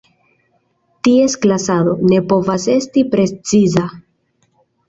Ties klasado, ne povas esti preciza.